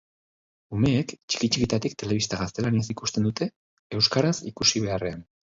Umeek txiki-txikitatik telebista gaztelaniaz ikusten dute euskaraz ikusi beharrean.